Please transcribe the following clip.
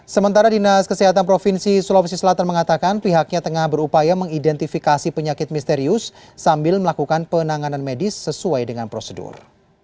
sementara dinas kesehatan provinsi sulawesi selatan mengatakan pihaknya tengah berupaya mengidentifikasi penyakit misterius sambil melakukan penanganan medis sesuai dengan prosedur